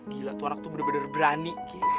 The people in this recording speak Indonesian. gila tuh anak tuh bener bener berani